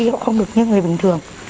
họ không được như người bình thường